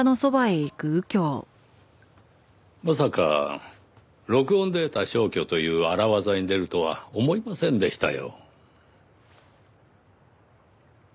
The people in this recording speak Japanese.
まさか録音データ消去という荒技に出るとは思いませんでしたよ。